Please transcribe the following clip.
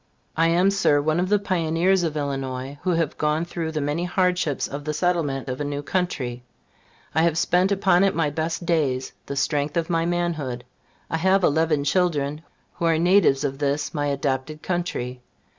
I am, Sir, one of the pioneers of Illinois, who have gone through the many hardships of the settlement of a new country. I have spent upon it my best days, the strength of my manhood. I have eleven children, who are natives of this my adopted country.